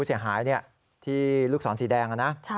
ใช่ค่ะ